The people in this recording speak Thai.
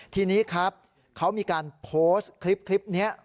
ทีนี้ครับเขามีการโพสต์คลิปนี้